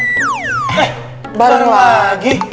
eh bareng lagi